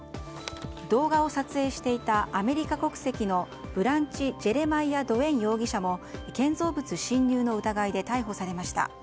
動画を撮影していたアメリカ国籍のブランチ・ジェレマイア・ドウェイン容疑者も建造物侵入の疑いで逮捕されました。